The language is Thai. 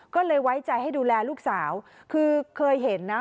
ก็เลยไว้ใจให้ดูแลลูกสาวคือเคยเห็นนะ